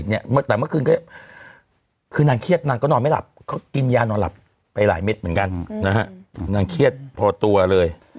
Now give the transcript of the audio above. เมื่อคืนก็คือนางเครียดนางก็นอนไม่หลับก็กินยานอนหลับไปหลายเม็ดเหมือนกันนะฮะนางเครียดพอตัวเลย